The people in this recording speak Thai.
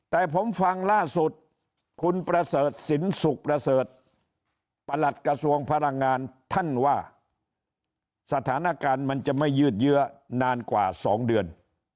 แต่ผมฟังล่าสุดคุณประเสริฐศิลป์สุขประเสริฐประหลัดกระทรวงพลังงานท่านว่าสถานการณ์มันจะไม่ยืดเยื้อนานกว่า๒เดือน